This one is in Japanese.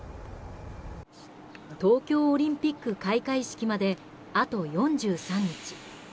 東京オリンピック開会式まであと４３日。